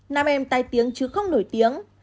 nam em tai tiếng chứ không nổi tiếng